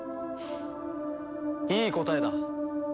いい答えだ。